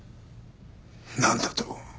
なんだと！？